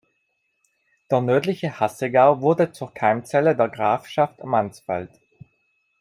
Der nördliche Hassegau wurde zur Keimzelle der Grafschaft Mansfeld.